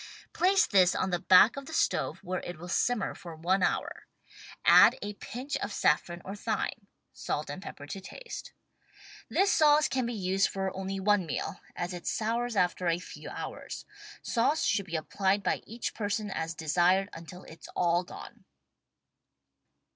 Place this on the back of the stove where it will simmer WRITTEN FOR MEN BY MEN for one hour. Add a pinch of safEron or thyme — salt and pepper to taste. This sauce can be used for only one meal, as it sours after a few hours. Sauce should be applied by each person as desired until it's all gone.